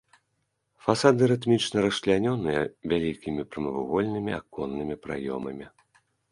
Фасады рытмічна расчлянёныя вялікімі прамавугольнымі аконнымі праёмамі.